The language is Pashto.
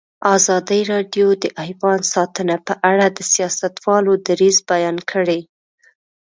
ازادي راډیو د حیوان ساتنه په اړه د سیاستوالو دریځ بیان کړی.